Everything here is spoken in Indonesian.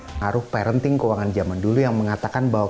pengaruh parenting keuangan zaman dulu yang mengatakan bahwa